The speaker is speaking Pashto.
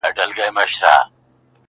نن یو امر او فرمان صادرومه٫